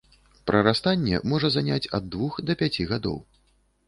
Прарастанне можа заняць ад двух да пяці гадоў.